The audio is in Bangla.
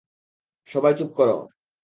সবাই চুপ করো!